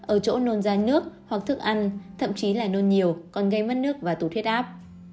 ở chỗ nôn ra nước hoặc thức ăn thậm chí là nôn nhiều còn gây mất nước và tủ thiết áp